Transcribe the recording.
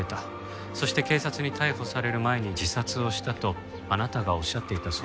そして警察に逮捕される前に自殺をしたとあなたがおっしゃっていたそうです。